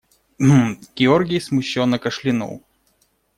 Гм… – Георгий смущенно кашлянул.